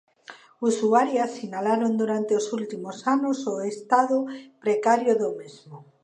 Usuarias sinalaron durante os últimos anos o estado precario do mesmo.